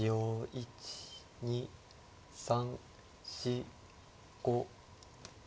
１２３４５。